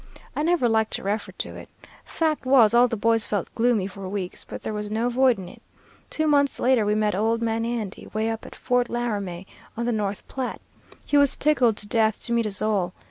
"I never like to refer to it. Fact was, all the boys felt gloomy for weeks, but there was no avoiding it. Two months later, we met old man Andy, way up at Fort Laramie on the North Platte. He was tickled to death to meet us all.